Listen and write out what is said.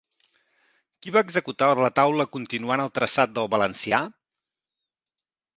Qui va executar el retaule continuant el traçat del valencià?